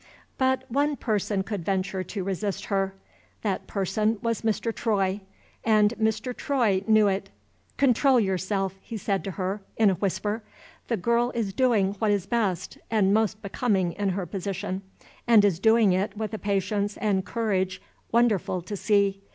But one person could venture to resist her. That person was Mr. Troy and Mr. Troy knew it. "Control yourself," he said to her in a whisper. "The girl is doing what is best and most becoming in her position and is doing it with a patience and courage wonderful to see.